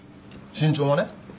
身長はね。